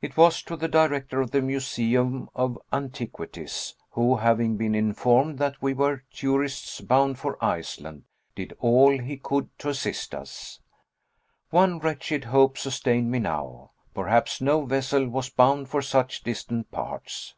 It was to the director of the Museum of Antiquities, who, having been informed that we were tourists bound for Iceland, did all he could to assist us. One wretched hope sustained me now. Perhaps no vessel was bound for such distant parts.